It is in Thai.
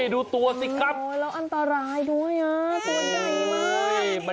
ดูตัวสิครับ